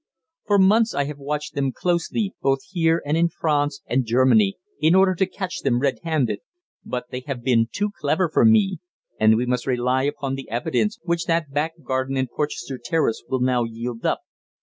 For months I have watched them closely, both here and in France and Germany, in order to catch them red handed; but they have been too clever for me, and we must rely upon the evidence which that back garden in Porchester Terrace will now yield up.